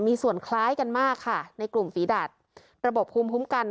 มีส่วนคล้ายกันมากค่ะในกลุ่มฝีดัดระบบภูมิคุ้มกัน